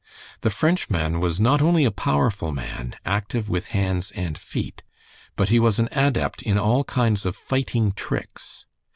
The Frenchman was not only a powerful man, active with hands and feet, but he was an adept in all kinds of fighting tricks.